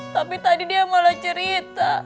tapi tadi dia malah cerita